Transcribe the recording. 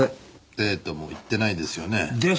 デートも行ってないですよね？です。